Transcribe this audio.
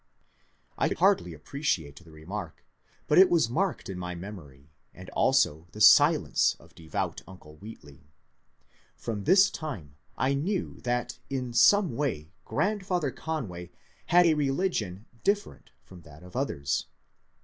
I could hardly appreciate the remark, but it was marked in my memory, and also the silence of devout uncle Wheatley. From this time I knew that in some way grand father Conway had a religion different from that of others.